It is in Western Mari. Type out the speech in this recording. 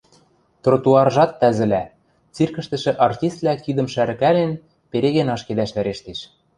Тротуаржат тӓзӹля: циркӹштӹшӹ артистлӓ кидӹм шӓрӹкӓлен, переген ашкедӓш вӓрештеш.